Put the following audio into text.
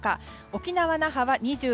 沖縄・那覇は２７度。